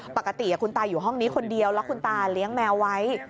ปกติคุณตาอยู่ห้องนี้คนเดียวแล้วคุณตาเลี้ยงแมวไว้